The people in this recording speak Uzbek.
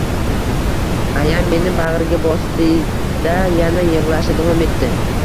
Ayam meni bagʻriga bosdi-da, yana yigʻlashda davom etdi.